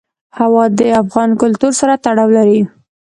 هوا د افغان کلتور سره تړاو لري.